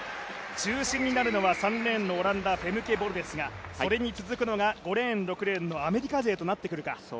中心になるのは３レーンのオランダ、フェムケ・ボルですがそれに続くのが５レーン、６レーンのアメリカ勢となってくるか。